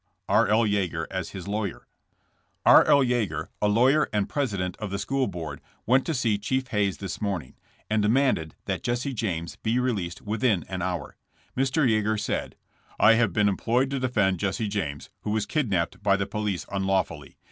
R. L. YEAGER AS HIS LAWYER. R. L. Yeager, a lawyer and president of the school board, went to see chief Hayes this morning, and demanded that Jesse James be released within an hour. Mr. Yeager said: *'I have been employea to defend Jesse James, who was kidnapped by the police unlawfully.